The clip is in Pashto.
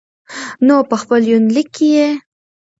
نو په خپل يونليک کې يې